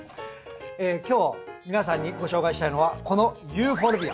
今日皆さんにご紹介したいのはこのユーフォルビア。